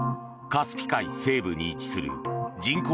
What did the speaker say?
カスピ海西部に位置する人口